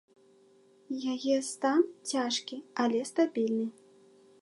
Яе стан цяжкі, але стабільны.